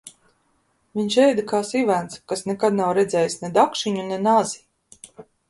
Viņš ēda kā sivēns, kas nekad nav redzējis ne dakšiņu, ne nazi!